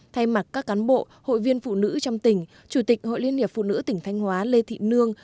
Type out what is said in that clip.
thay mặt các cán bộ hội viên phụ nữ trong tỉnh chủ tịch hội liên hiệp phụ nữ tỉnh thanh hóa lê thị nương